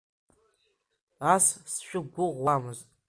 Ас сшәықәгәыӷуамызт…